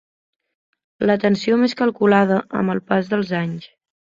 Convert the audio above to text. La tensió més calculada, amb el pas dels anys.